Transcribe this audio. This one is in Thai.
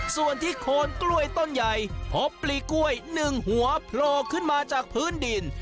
ส่วนที่โคนกล้วยต้นใหญ่พบปลีกล้วย๑หัวโผล่ขึ้นมาจากพื้นดิน